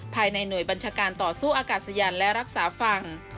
ภายในหน่วยบัญชาการต่อสู้อากาศยานและรักษาฝั่ง